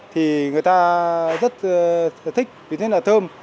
thì người ta rất thích vì thế là thơm